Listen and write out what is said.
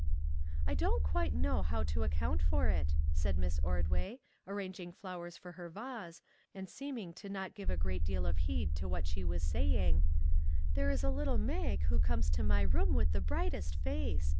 " I don't quite know how to account for it," said Miss Ordway, arranging flowers for her 255 MAG AND MARGARET vase, and seeming to give not a great deal of heed to what she was saying; " there is a little Mag who comes to my room with the brightest face!